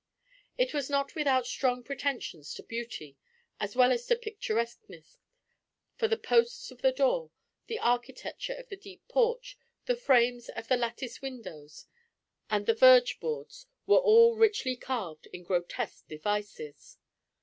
It was not without strong pretensions to beauty, as well as to picturesqueness, for the posts of the door, the architecture of the deep porch, the frames of the latticed windows, and the verge boards were all richly carved in grotesque devices.